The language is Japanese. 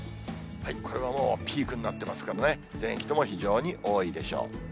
これももうピークになってますからね、全域とも非常に多いでしょう。